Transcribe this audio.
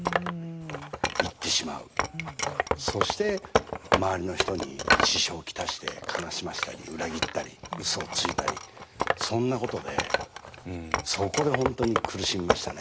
そして周りの人に支障を来して悲しませたり裏切ったりうそをついたりそんなことでそこで本当に苦しみましたね。